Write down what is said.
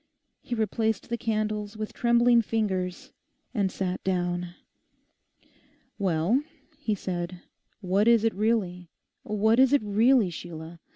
He replaced the candles with trembling fingers and sat down. 'Well,' he said, 'what is it really; what is it really, Sheila?